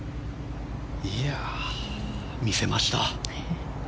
見せました。